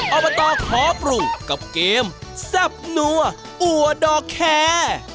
เอามาต่อขอบรุงกับเกมแซบหนัวอัวโดดอคแคร์